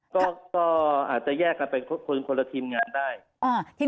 ก็อาจจะแยกกันเป็นคนละทีมงานได้